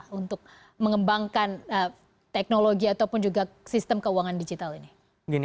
untuk mengembangkan teknologi ataupun juga sistem keuangan digital ini